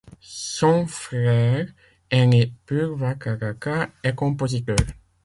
Son frère aîné Purwacaraka est compositeur.